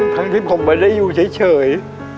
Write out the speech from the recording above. ทั้งที่ผมไม่ได้อยู่เฉย